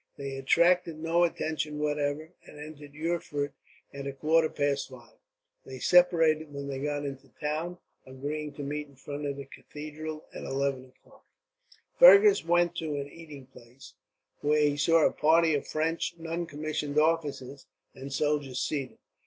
They attracted no attention whatever, and entered Erfurt at a quarter past five. They separated when they got into the town, agreeing to meet in front of the cathedral, at eleven o'clock. Fergus went to an eating house, where he saw a party of French non commissioned officers and soldiers seated.